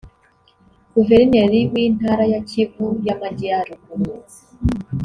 Guverineri w’Intara ya Kivu y’Amajyaruguru